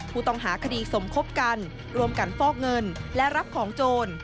ผู้ต้องหาคดีสมคบกันรวมกันฟอกเงินและรับของโจร